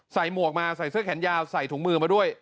หมวกมาใส่เสื้อแขนยาวใส่ถุงมือมาด้วย